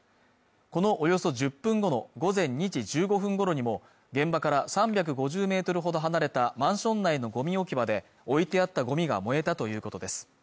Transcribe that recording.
このおよそ１０分後の午前２時１５分ごろにも現場から３５０メートルほど離れたマンション内のごみ置き場で置いてあったごみが燃えたということです